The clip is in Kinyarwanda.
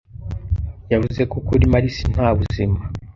Yavuze ko kuri Mars nta buzima.